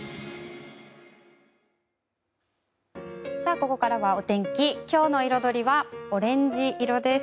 ここからはお天気きょうのイロドリはオレンジ色です。